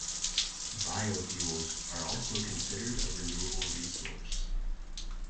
Biofuels are also considered a renewable source.